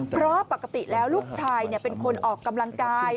เพราะปกติแล้วลูกชายเป็นคนออกกำลังกาย